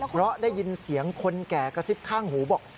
เพราะได้ยินเสียงคนแก่กระซิบข้างหูบอก